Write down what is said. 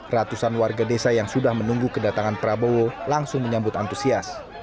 ratusan warga desa yang sudah menunggu kedatangan prabowo langsung menyambut antusias